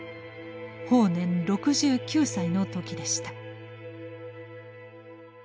法然６９歳の時でした。